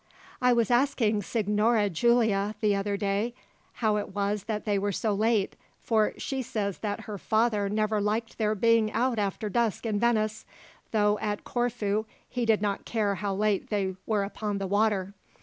"I was asking Signora Giulia, the other day, how it was they were so late, for she says that her father never liked their being out after dusk in Venice, though at Corfu he did not care how late they were upon the water.